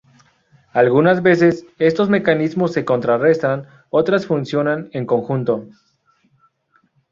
Algunas veces, estos mecanismos se contrarrestan; otras, funcionan en conjunto.